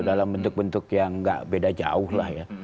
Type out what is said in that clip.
dalam bentuk bentuk yang nggak beda jauh lah ya